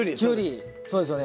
そうですよね。